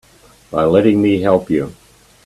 By letting me help you.